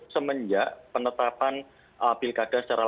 semenjak penetapan pilkada secara